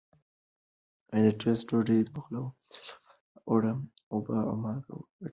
د ټوسټ ډوډۍ پخولو لپاره اوړه اوبه او مالګه ګډېږي.